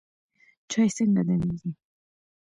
چای څنګه دمیږي؟